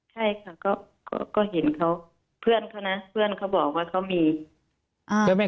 ใช่ค่ะก็เห็นเขาเพื่อนเขานะเพื่อนเขาบอกว่าเขามีอ่า